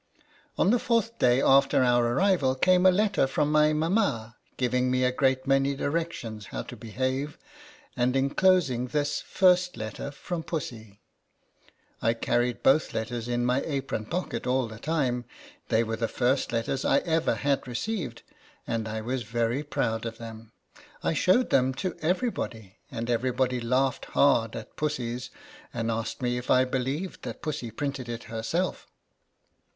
On the fourth day after our arrival came a letter from my mamma, giving me a great many directions how to behave, and enclosing this first letter from Pussy. I carried both letters in my apron pocket all the time. They were the first letters I ever had received, and I was very proud of them. I showed them to everybody, and everybody laughed hard at Pussy's, and asked me if I believed that Pussy printed it herself.